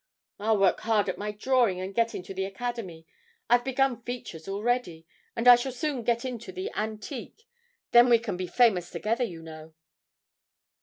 'I'll work hard at my drawing and get into the Academy. I've begun features already, and I shall soon get into the antique then we can be famous together, you know.'